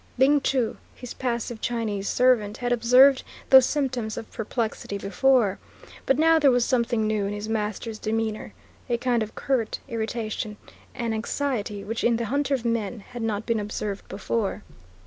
Ling Chu, his impassive Chinese servant, had observed those symptoms of perplexity before, but now there was something new in his master's demeanour a kind of curt irritation, an anxiety which in the Hunter of Men had not been observed before.